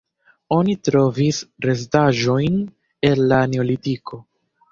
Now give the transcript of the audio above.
Oni trovis restaĵojn el la neolitiko.